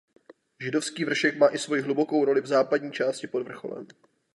Židovský vršek má i svojí hlubokou rokli v západní části pod vrcholem.